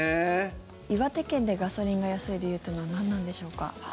岩手県でガソリンが安い理由は何なんでしょうか？